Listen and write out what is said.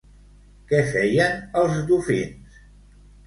Què feien els dofins?